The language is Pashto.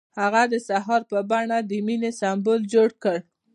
هغه د سهار په بڼه د مینې سمبول جوړ کړ.